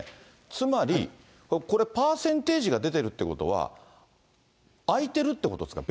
つまり、これ、パーセンテージが出てるっていうことは、空いてるっていうことですか？